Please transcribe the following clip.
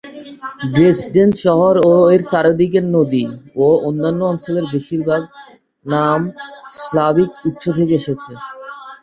Dresden শহর ও এর চারদিকের নদী ও অন্যান্য অঞ্চলের বেশিরভাগ নাম স্লাভিক উৎস থেকে এসেছে।